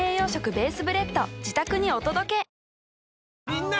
みんな！